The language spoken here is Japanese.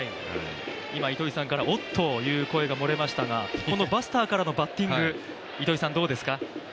今、糸井さんから「おっ」という声が漏れましたが、バスターからのバッティングどうですか？